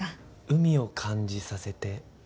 海を感じさせて。